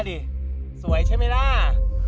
น้ำ